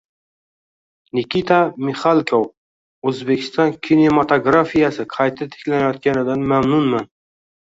Nikita Mixalkov: O‘zbekiston kinematografiyasi qayta tiklanayotganidan mamnunman